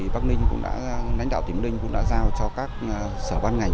bác ninh cũng đã lãnh đạo tỉnh bác ninh cũng đã giao cho các sở ban ngành